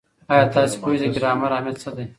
ایا تاسې پوهېږئ د ګرامر اهمیت څه دی؟